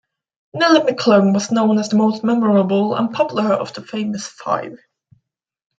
Nellie McClung was known as the most memorable and popular of the famous five.